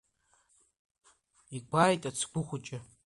Игәааит Ацгәы хәыҷы.